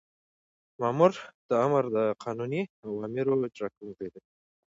مامور د آمر د قانوني اوامرو اجرا کوونکی دی.